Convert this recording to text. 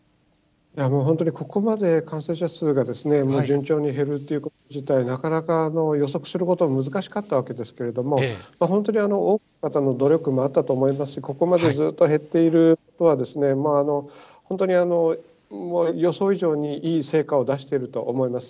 本当にここまで感染者数が順調に減るということ自体、なかなか予測することが難しかったわけですけれども、本当に多くの方の努力もあったと思いますし、ここまでずっと減っていることは、本当に予想以上に、いい成果を出していると思います。